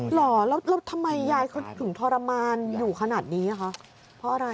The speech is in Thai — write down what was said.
เหรอแล้วทำไมยายเขาถึงทรมานอยู่ขนาดนี้คะเพราะอะไร